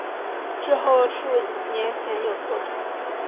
之后数年鲜有作品。